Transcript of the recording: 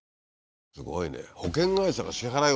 すごいね。